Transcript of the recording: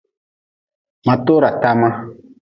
Ma tora tama.